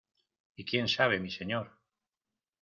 ¡ y quién sabe, mi señor!...